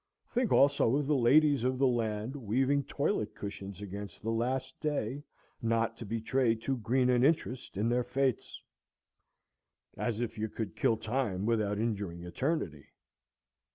Think, also, of the ladies of the land weaving toilet cushions against the last day, not to betray too green an interest in their fates! As if you could kill time without injuring eternity.